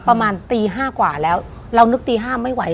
ประมาณตี๕กว่าแล้วเรานึกตี๕ไม่ไหว